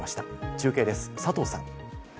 中継です、佐藤さん。